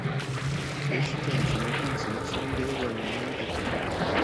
Es internacional con la selección de balonmano de Cuba.